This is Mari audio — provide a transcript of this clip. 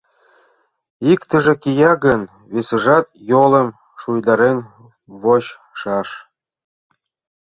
Иктыже кия гын, весыжат йолым шуйдарен вочшаш.